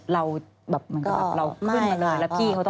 เราขึ้นมาเลยแล้วพี่เขาไม่ค่ะ